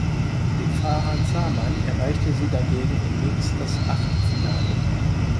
Mit Farhan Zaman erreichte sie dagegen im Mixed das Achtelfinale.